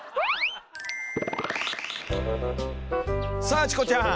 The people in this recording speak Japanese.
さあチコちゃん！